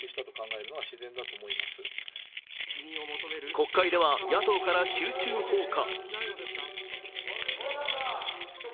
国会では野党から集中砲火。